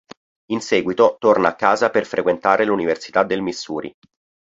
In seguito torna a casa per frequentare l'Università del Missouri.